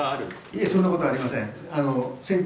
いえ、そんなことありません。